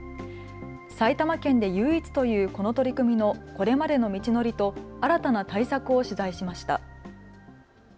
埼玉県で唯一というこの取り組みのこれまでの道のりと新たな対策を取材しました。